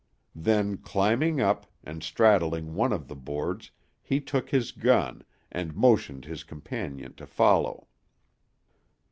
Then climbing up, and straddling one of the boards, he took his gun, and motioned his companion to follow.